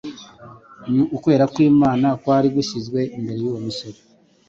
Ni ukwera kw'Imana kwari gushyizwe imbere y'uwo musore.